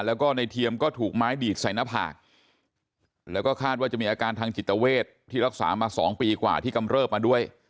แล้วก็ในเทียมก็ถูกไม้ดีดใส่หน้าผากแล้วก็คาดว่าจะมีอาการทางจิตเวทที่รักษามา๒ปีกว่าที่กำเริบมาด้วย